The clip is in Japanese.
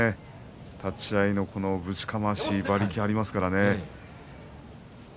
立ち合いのぶちかまし馬力がありますからね。